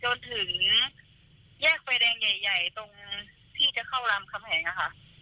จนถึงแยกไฟแดงใหญ่ตรงที่จะเข้ารามคำแหงค่ะ